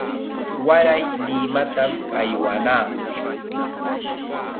Waray Limatam aywanaa.